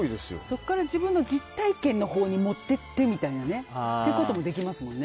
そこから自分の実体験のほうに持っていってってこともできますしね。